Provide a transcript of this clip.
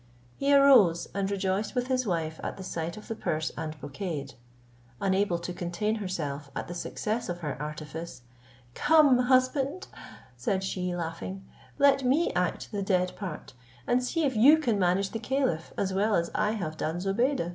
He arose, and rejoiced with his wife at the sight of the purse and brocade. Unable to contain herself at the success of her artifice, "Come, husband," said she, laughing, "let me act the dead part, and see if you can manage the caliph as well as I have done Zobeide."